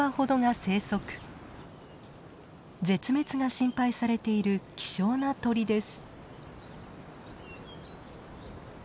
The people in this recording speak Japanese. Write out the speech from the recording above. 絶滅が心配されている希少な鳥です。